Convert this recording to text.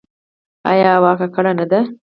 آیا هوا ککړه نه ده؟